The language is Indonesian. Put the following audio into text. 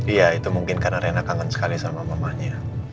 iya itu mungkin karena rina kangen sekali sama mamahnya